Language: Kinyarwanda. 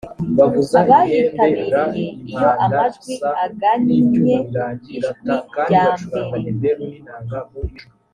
abayitabiriye iyo amajwi angannye ijwi ryambere